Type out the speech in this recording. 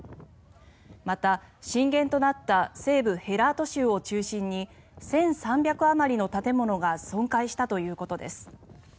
また、震源となった西部ヘラート州を中心に１３００あまりの建物が損壊したということです。